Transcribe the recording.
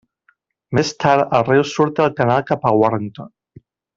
Més tard el riu surt del canal cap a Warrington.